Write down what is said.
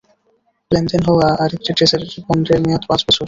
লেনদেন হওয়া আর একটি ট্রেজারি বন্ডের মেয়াদ পাঁচ বছর।